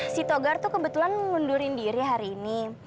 si togar tuh kebetulan mundurin diri hari ini